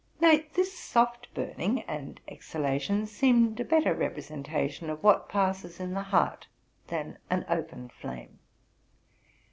Nay, this soft burning and exhalation seemed a better repre sentation of what passes in the heart, than an open flame.